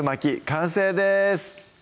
完成です